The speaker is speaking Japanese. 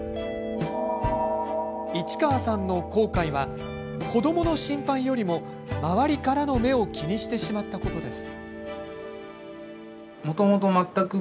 市川さんの後悔は子どもの心配よりも周りからの目を気にしてしまったことです。